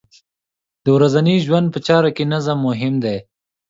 د ورځنۍ ژوند په چارو کې نظم مهم دی.